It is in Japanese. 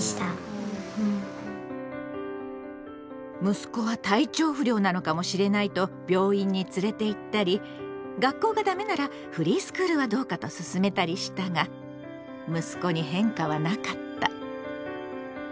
息子は体調不良なのかもしれないと病院に連れて行ったり学校がダメならフリースクールはどうかとすすめたりしたが息子に変化はなかった。